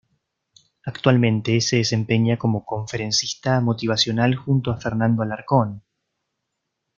Actualmente se desempeña como conferencista motivacional junto a Fernando Alarcón.